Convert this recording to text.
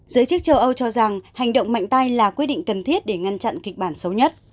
giới chức châu âu cho rằng hành động mạnh tay là quyết định cần thiết để ngăn chặn kịch bản xấu nhất